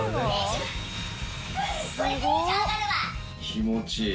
気持ちいい。